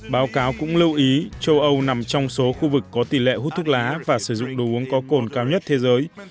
báo cáo cũng lưu ý châu âu nằm trong số khu vực có tỷ lệ hút thuốc lá và sử dụng đồ uống có cồn cao nhất thế giới